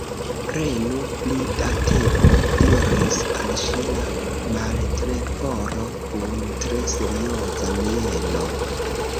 "Prenu pli da teo," diris al ŝi la Martleporo, kun tre serioza mieno.